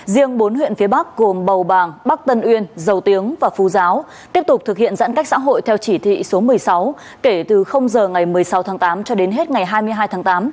riêng bốn huyện phía bắc gồm bầu bàng bắc tân uyên dầu tiếng và phú giáo tiếp tục thực hiện giãn cách xã hội theo chỉ thị số một mươi sáu kể từ giờ ngày một mươi sáu tháng tám cho đến hết ngày hai mươi hai tháng tám